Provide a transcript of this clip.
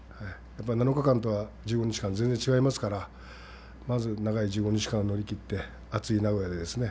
７日間とは、１５日間全然違いますからまず長い１５日間を乗りきって暑い名古屋でですね